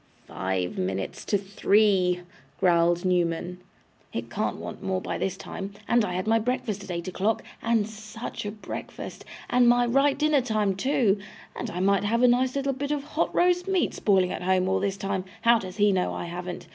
'Five minutes to three,' growled Newman; 'it can't want more by this time; and I had my breakfast at eight o'clock, and SUCH a breakfast! and my right dinner time two! And I might have a nice little bit of hot roast meat spoiling at home all this time how does HE know I haven't?